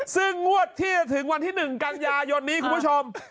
ซึ่งงวดที่จะถึงวันที่๑กันยายนนี้คุณผู้ชม